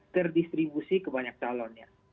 terdistribusi ke banyak calonnya